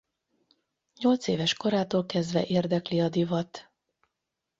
Nyolcéves korától kezdve érdekli a divat.